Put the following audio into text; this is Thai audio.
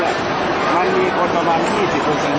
อาหรับเชี่ยวจามันไม่มีควรหยุด